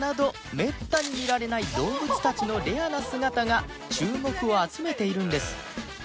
めったに見られない動物たちのレアな姿が注目を集めているんです